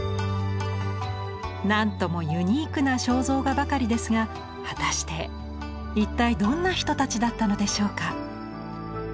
何ともユニークな肖像画ばかりですが果たして一体どんな人たちだったのでしょうか。